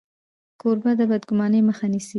کوربه د بدګمانۍ مخه نیسي.